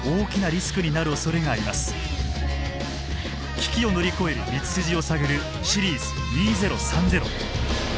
危機を乗り越える道筋を探る「シリーズ２０３０」。